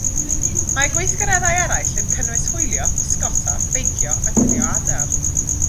Mae gweithgareddau eraill yn cynnwys hwylio, pysgota, beicio a gwylio adar.